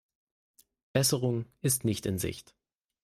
Besserung ist nicht in Sicht.